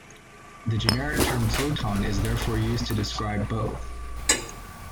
The generic term photon is therefore used to describe both.